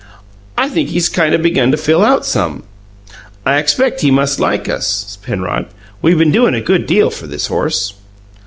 "I think he's kind of begun to fill out some. I expect he must like us, Penrod; we been doin' a good deal for this horse."